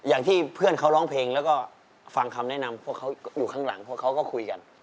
อย่างที่เพื่อนเขาร้องเพลงแล้วก็ฟังคำแนะนำพวกเขาอยู่ข้างหลังพวกเขาก็คุยกัน